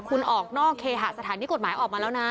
คุณออกนอกเคหสถานกฎหมายออกมาแล้วนะ